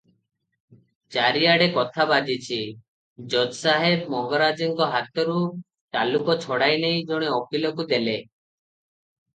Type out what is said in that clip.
ଚାରିଆଡ଼େ କଥା ବାଜିଛି, ଜଜସାହେବ ମଙ୍ଗରାଜେଙ୍କ ହାତରୁ ତାଲୁକ ଛଡ଼ାଇନେଇ ଜଣେ ଓକିଲକୁ ଦେଲେ ।